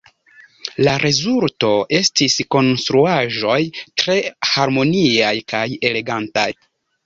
La rezulto estis konstruaĵoj tre harmoniaj kaj elegantaj.